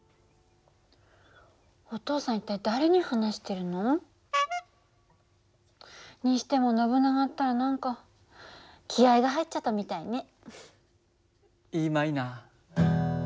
お父さん一体誰に話してるの？にしてもノブナガったら何か気合いが入っちゃったみたいね。